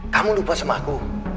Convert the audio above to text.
kamu lupa sama aku